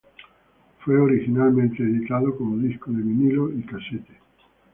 Fue originalmente editado como disco de vinilo y casete.